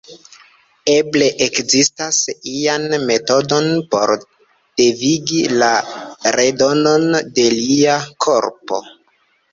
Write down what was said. Eble ekzistas ian metodon por devigi la redonon de lia korpo.